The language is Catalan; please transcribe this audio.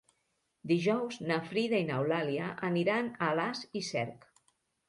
Dijous na Frida i n'Eulàlia aniran a Alàs i Cerc.